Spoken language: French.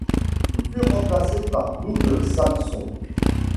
Il fut remplacé par Doug Sampson.